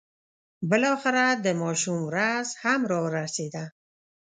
بالاخره د ماشوم ورځ هم را ورسېده.